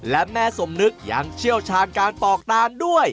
และแม่สมนึกยังเชี่ยวชาญการปอกตานด้วย